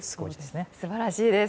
素晴らしいです。